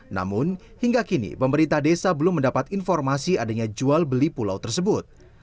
namun hingga kini pemerintah desa belum mendapat informasi adanya jual beli pulau tersebut